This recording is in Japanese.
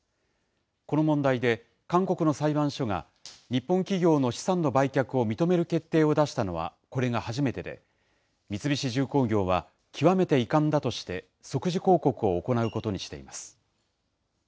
この問題で、韓国の裁判所が日本企業の資産の売却を認める決定を出したのはこれが初めてで、三菱重工業は、極めて遺憾だとして、即時抗告を行うことにしています。